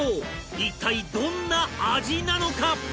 一体どんな味なのか？